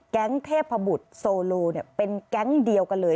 เทพบุตรโซโลเป็นแก๊งเดียวกันเลย